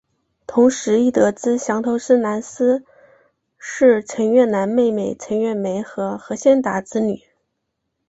同时亦得知降头师蓝丝是陈月兰妹妹陈月梅和何先达之女。